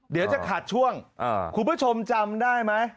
เดี๋ยวจะขาดช่วงคุณผู้ชมจำได้ไหม